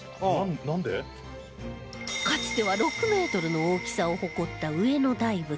かつては６メートルの大きさを誇った上野大仏